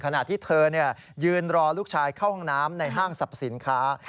ขณะที่เธอยืนรอลูกชายเข้าห้องน้ำในห้างสรรพสินค้า